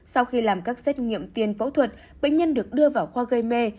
sau khi làm các xét nghiệm tiền phẫu thuật bệnh nhân được đưa vào khoa gây mê